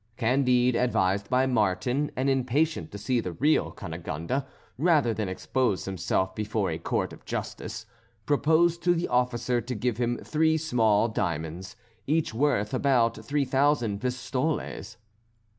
Candide, advised by Martin and impatient to see the real Cunegonde, rather than expose himself before a court of justice, proposed to the officer to give him three small diamonds, each worth about three thousand pistoles.